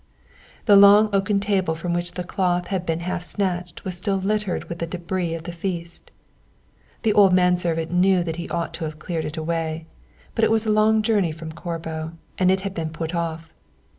The long oaken table from which the cloth had been half snatched was still littered with the débris of the feast. The old manservant knew that he ought to have cleared it away, but it was a long journey from Corbo, and it had been put off.